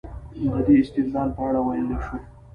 د دې استدلال په اړه ویلای شو.